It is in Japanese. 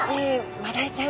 マダイちゃん！